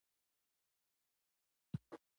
لیک د پوهې د دوام وسیله شوه.